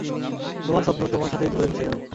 তোমার স্বপ্ন তোমার সাথেই ধুলোয় মিশে যাবে।